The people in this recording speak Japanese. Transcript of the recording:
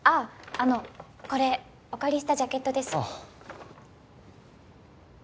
あのこれお借りしたジャケットです。